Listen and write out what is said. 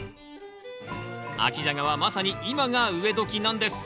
秋ジャガはまさに今が植え時なんです。